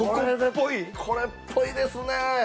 これっぽいですね。